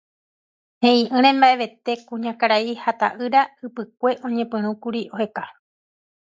He'i'ỹre mba'evete kuñakarai ha ta'ýra ypykue oñepyrũkuri oheka.